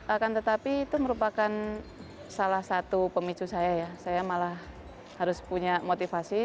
akan tetapi itu merupakan salah satu pemicu saya ya saya malah harus punya motivasi